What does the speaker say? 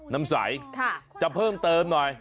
น้ำใสจะเพิ่มเติมหน่อย